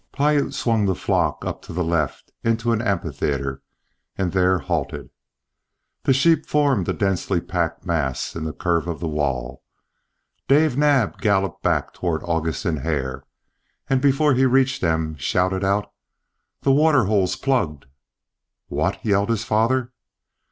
Piute swung the flock up to the left into an amphitheatre, and there halted. The sheep formed a densely packed mass in the curve of the wall. Dave Naab galloped back toward August and Hare, and before he reached them shouted out: "The waterhole's plugged!" "What?" yelled his father.